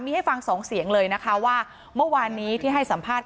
มีให้ฟังสองเสียงเลยนะคะว่าเมื่อวานนี้ที่ให้สัมภาษณ์